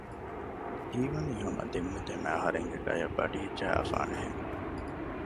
ހީވަނީ ހަމަ ދެންމެ ދެންމެ އަހަރެންގެ ގަޔަށް ބަޑިއެއް ޖަހާފާނެހެން